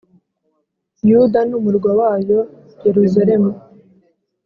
Yuda n’umurwa wayo, Yeruzalemu